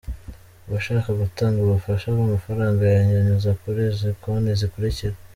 Uwashaka gutanga ubufasha bw’amafaranga yayanyuza kuri izi konti zikurikira:.